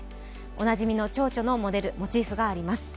おなじみのちょうちょのモデル、モチーフがあります。